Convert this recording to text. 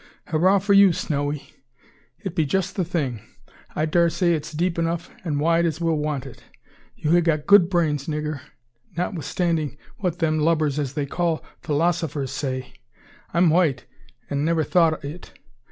"Hurraw for you, Snowy! It be just the thing. I dar say it's deep enough, and wide as we'll want it. You ha got good brains, nigger, not'ithstanding what them lubbers as they call filosaphurs say. I'm a white, an' niver thought o' it.